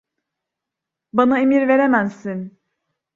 Bana emir veremezsin.